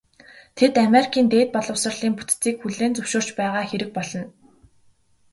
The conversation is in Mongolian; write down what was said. Тэд Америкийн дээд боловсролын бүтцийг хүлээн зөвшөөрч байгаа хэрэг болно.